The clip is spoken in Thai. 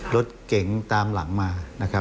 รถเก่งตามหลังมา